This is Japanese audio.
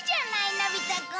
のび太くん。